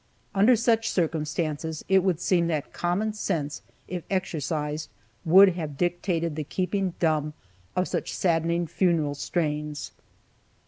Under such circumstances, it would seem that common sense, if exercised, would have dictated the keeping dumb of such saddening funeral strains.